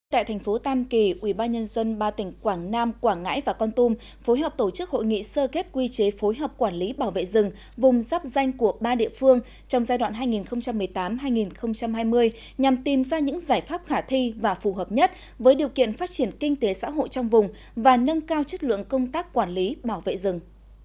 tại thành phố tam kỳ ubnd ba tỉnh quảng nam quảng ngãi và con tum phối hợp tổ chức hội nghị sơ kết quy chế phối hợp quản lý bảo vệ rừng vùng dắp danh của ba địa phương trong giai đoạn hai nghìn một mươi tám hai nghìn hai mươi nhằm tìm ra những giải pháp khả thi và phù hợp nhất với điều kiện phát triển kinh tế xã hội trong vùng và nâng cao chất lượng công tác quản lý bảo vệ rừng